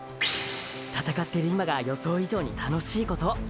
闘ってる今が予想以上に楽しいこと！！